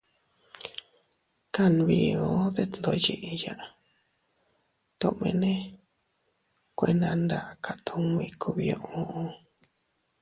Kanbiu detndoyiya tomene kuena ndaka tummi kubiuu.